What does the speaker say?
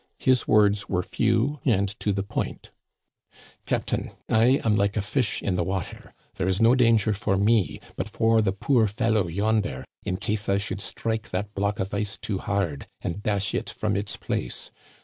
His words were few and to the point :" Captain, I am like a fish in the water ; there is no danger for me, but for the poor fellow yonder, in case I should strike that block of ice too hard and dash it from its place.